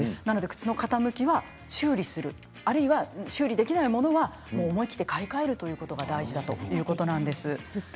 靴の傾きは修理する修理できないものは思い切って買い替えるということが大事だということなんです。